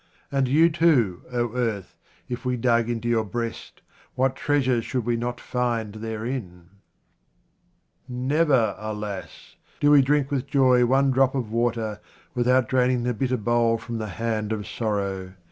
And you too, O earth, if we dug into your breast, what treasures should we not find therein ! Never, alas ! do we drink with joy one drop of water without draining the bitter bowl from the hand of sorrow.